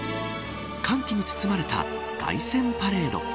歓喜に包まれた凱旋パレード。